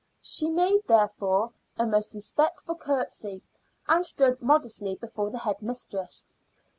She made, therefore, a most respectful curtsy, and stood modestly before the head mistress.